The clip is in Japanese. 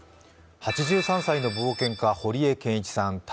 ８３歳の冒険家・堀江謙一さん